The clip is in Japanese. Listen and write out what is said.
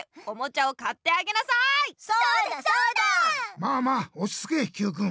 まあまあおちつけＱくん。